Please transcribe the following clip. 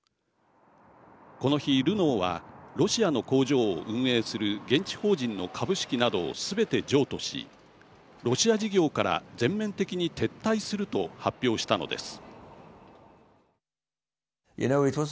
この日、ルノーはロシアの工場を運営する現地法人の株式などをすべて譲渡しロシア事業から全面的に撤退すると発表したのです。